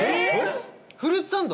フルーツサンド？